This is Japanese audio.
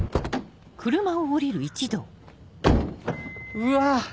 うわ！